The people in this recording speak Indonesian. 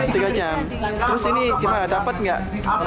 terus ini dapat nggak